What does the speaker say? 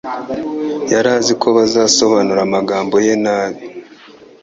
yari azi ko bazasobanura amagambo ye nabi,